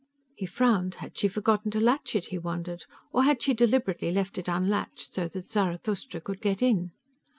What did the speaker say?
He frowned. Had she forgotten to latch it? he wondered. Or had she deliberately left it unlatched so that Zarathustra could get in?